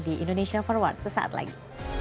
di indonesia for what sesaat lagi